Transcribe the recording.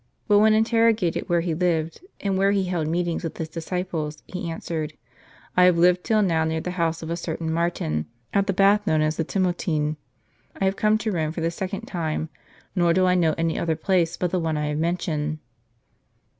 But when interrogated where he lived, and where he held meetings with his disciples, he answered, " I have lived till now near the house of a certain Martin, at the bath known as the Timotine. I have come to Home for the second time, nor do I know any other place but the one I have mentioned."